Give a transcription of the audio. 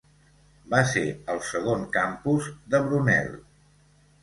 Va ser el segon campus de Brunel.